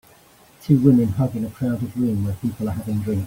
Two women hug in a crowded room where people are having drinks.